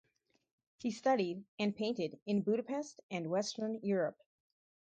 He studied and painted in Budapest and Western Europe.